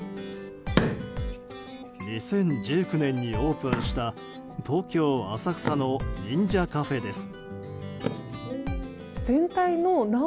２０１９年にオープンした東京・浅草の忍者カフェです。